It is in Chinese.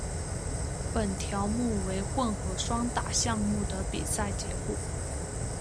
本条目为混合双打项目的比赛结果。